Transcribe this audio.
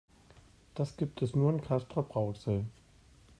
Das gibt es nur in Castrop-Rauxel